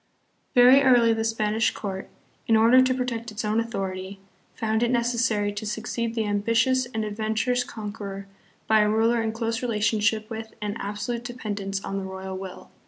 Very early the Spanish court, . in order to protect its own authority, found it necessary to succeed the ambitious and adventurous conqueror by a ruler in close relationship with and absolute dependence on the royal will.